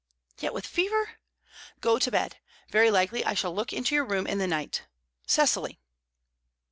"Yet with fever? Go to bed. Very likely I shall look into your room in the night. Cecily!"